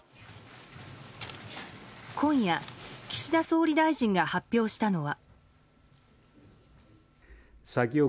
今夜、岸田総理大臣が発表したのは。